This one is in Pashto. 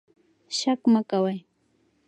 شک مه کوئ.